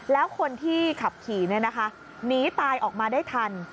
แล้วคนที่ขับขี่หนีตายออกมาได้ทัน